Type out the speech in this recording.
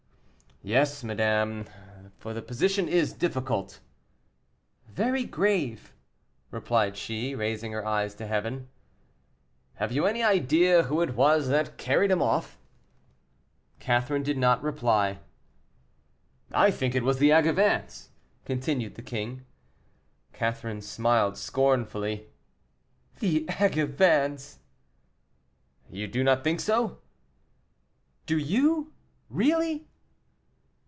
"Yes, madame, for the position is difficult." "Very grave," replied she, raising her eyes to heaven. "Have you any idea who it was that carried him off?" Catherine did not reply. "I think it was the Angevins," continued the king. Catherine smiled scornfully. "The Angevins!" "You do not think so?" "Do you, really?"